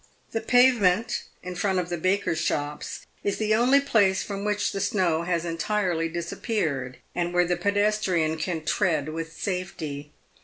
The pave ment in front of the bakers' shops is the only place from which the snow has entirely disappeared, and where the pedestrian can tread with safety.